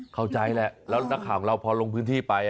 เข้าใจแหละแล้วนักข่าวของเราพอลงพื้นที่ไป